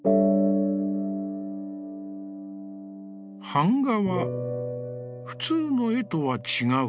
「板画は、普通の絵とは違う。